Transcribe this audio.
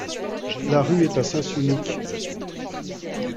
La rue est à sens unique.